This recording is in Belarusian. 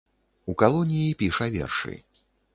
У калоніі піша вершы.